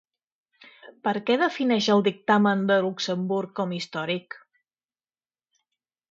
Per què defineix el dictamen de Luxemburg com històric?